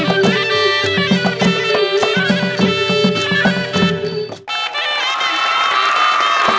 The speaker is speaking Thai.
โปรดติดตามต่อไป